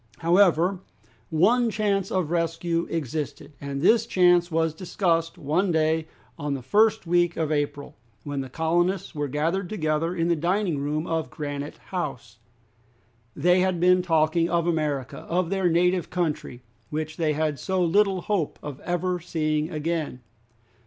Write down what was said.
However, one chance of rescue existed, and this chance was discussed one day on the first week of April, when the colonists were gathered together in the dining room of Granite House. They had been talking of America, of their native country, which they had so little hope of ever seeing again.